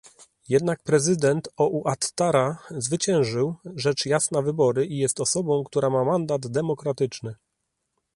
Jednak prezydent Ouattara zwyciężył rzecz jasna wybory i jest osobą, która ma mandat demokratyczny